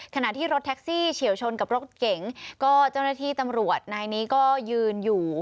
ขณะที่รถแท็กซี่เฉียวชนกับรถเก๋งก็เจ้าหน้าที่ตำรวจนายนี้ก็ยืนอยู่